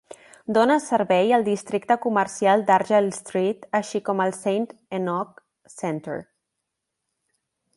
Dona servei al districte comercial d'Argyle Street, així com al Saint Enoch Centre.